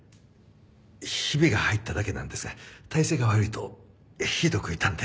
ヒビが入っただけなんですが体勢が悪いとひどく痛んで。